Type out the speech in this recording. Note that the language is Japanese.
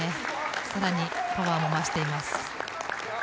更にパワーも増しています。